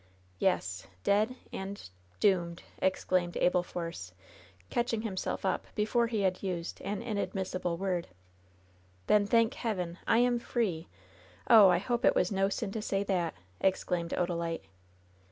"Yes! dead and — doomed!" exclaimed Abel Force, catching himself up before he had used an kiadmissible word. LOVE'S BITTEREST CUP 89 "Then, thank Heaven, I am free I Oh 1 1 hope it was no sin to say that !" exclaimed Odalite.